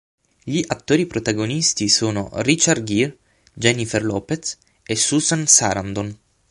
Gli attori protagonisti sono Richard Gere, Jennifer Lopez e Susan Sarandon.